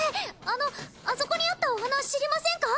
あのあそこにあったお花知りませんか？